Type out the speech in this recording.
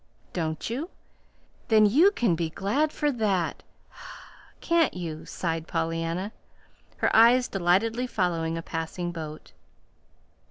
"Don't you? Then you can be glad for that, can't you?" sighed Pollyanna, her eyes delightedly following a passing boat.